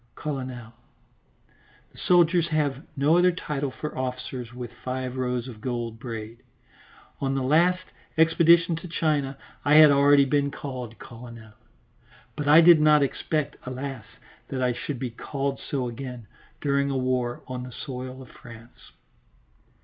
("Colonel" the soldiers have no other title for officers with five rows of gold braid. On the last expedition to China I had already been called colonel, but I did not expect, alas! that I should be called so again during a war on the soil of France.)